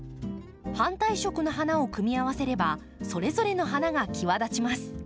反対色の花を組み合わせればそれぞれの花が際立ちます。